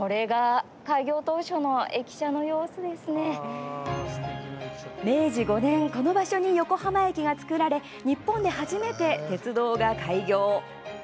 そして明治５年この場所に横浜駅が造られ日本で初めて鉄道が開業。